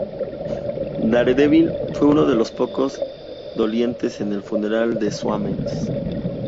Daredevil fue uno de los pocos dolientes en el funeral de Soames.